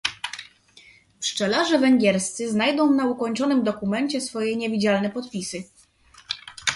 Pszczelarze węgierscy znajdą na ukończonym dokumencie swoje niewidzialne podpisy